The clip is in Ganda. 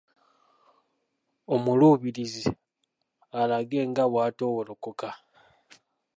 Omuluubirizi alage nga bw’atoowolokoka